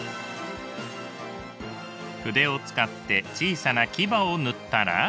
筆を使って小さな牙を塗ったら。